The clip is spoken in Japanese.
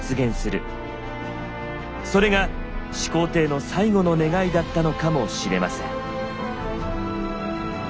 それが始皇帝の最後の願いだったのかもしれません。